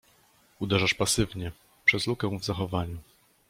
” „Uderzasz pasywnie — przez lukę w zachowaniu.